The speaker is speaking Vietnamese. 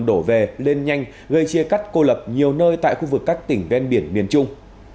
đổ về lên nhanh gây chia cắt cô lập nhiều nơi tại khu vực các tỉnh ven biển miền trung